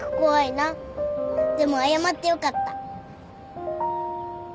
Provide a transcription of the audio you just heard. でも謝ってよかった。